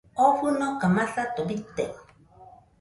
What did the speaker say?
Oo fɨnoka masato bite.